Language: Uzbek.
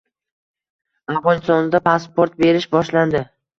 Afg‘onistonda pasport berish boshlandi